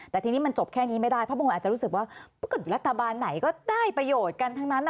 แต่ทีนี้มันจบแค่นี้ไม่ได้เพราะบางคนอาจจะรู้สึกว่ารัฐบาลไหนก็ได้ประโยชน์กันทั้งนั้น